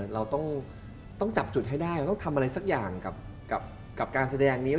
เราต้องจับจุดให้ได้เราต้องทำอะไรสักอย่างกับการแสดงนี้